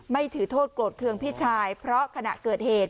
ถือโทษโกรธเครื่องพี่ชายเพราะขณะเกิดเหตุ